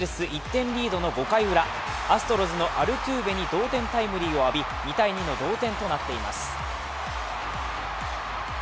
１点リードの５回ウラ、アストロズのアルトゥーベに同点タイムリーを浴び、２ー２の同点となっています。